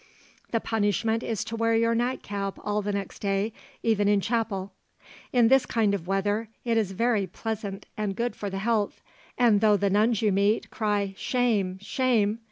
The punishment is to wear your nightcap all the next day, even in chapel. In this kind of weather it is very pleasant and good for the health, and though the nuns you meet cry 'Shame! shame!'